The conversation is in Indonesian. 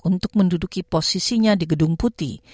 untuk menduduki posisinya di gedung putih